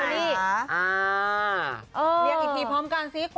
เรียกอีกทีพร้อมกันซิ